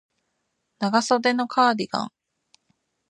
長袖のカーディガン